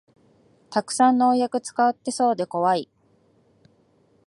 たくさん農薬使ってそうでこわい